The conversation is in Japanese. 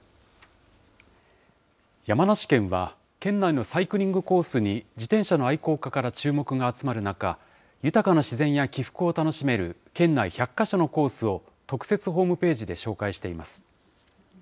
山梨県は、県内のサイクリングコースに自転車の愛好家から注目が集まる中、豊かな自然や起伏を楽しめる県内１００か所のコースを特設ホームページで紹介しています。